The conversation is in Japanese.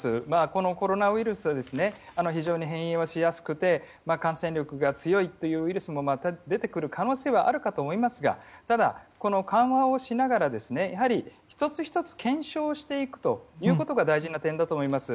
このコロナウイルスは非常に変異しやすくて感染力が強いというウイルスもまた出てくる可能性はあるかと思いますがただ、緩和をしながら１つ１つ、検証していくことが大事な点だと思います。